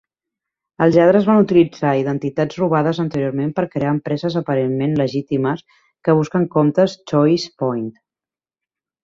Els lladres van utilitzar identitats robades anteriorment per crear empreses aparentment legítimes que busquen comptes ChoicePoint.